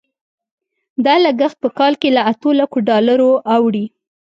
دا لګښت په کال کې له اتو لکو ډالرو اوړي.